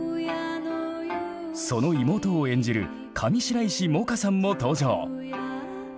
その妹を演じる上白石萌歌さんも登場。